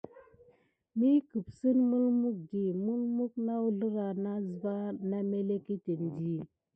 Mi kəpsen melmukdi mulmuk na əzlrah na əsva məleketen di.